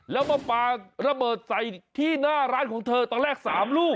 แล้วมาปลาระเบิดใส่ที่หน้าร้านของเธอตอนแรก๓ลูก